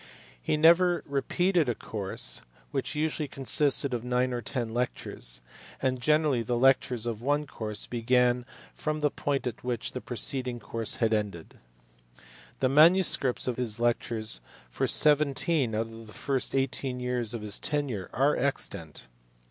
He never repeated a course, which usually consisted of nine or ten lectures, and generally the lectures of one course began from tlie point at which the preceding course had ended. The manuscripts of his lectures for seventeen out of the first eighteen years of his tenure are extant.